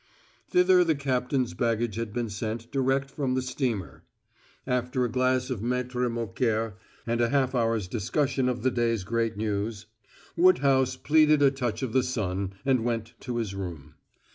Thither the captain's baggage had been sent direct from the steamer. After a glass with Maitre Mouquère and a half hour's discussion of the day's great news, Woodhouse pleaded a touch of the sun, and went to his room.